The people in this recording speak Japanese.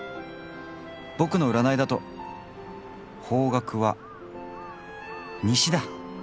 ボクの占いだと方角は西だ！